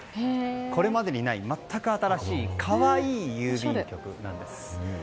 これまでにない全く新しい可愛い郵便局です。